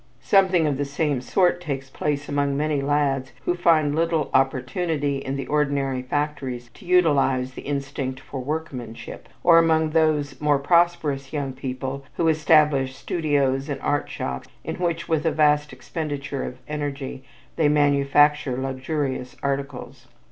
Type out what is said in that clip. Something of the same sort takes place among many lads who find little opportunity in the ordinary factories to utilize the "instinct for workmanship"; or, among those more prosperous young people who establish "studios" and "art shops," in which, with a vast expenditure of energy, they manufacture luxurious articles.